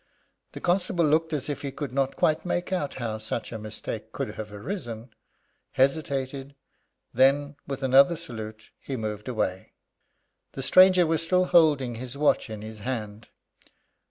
The constable looked as if he could not quite make out how such a mistake could have arisen, hesitated, then, with another salute, he moved away. The stranger was still holding his watch in his hand.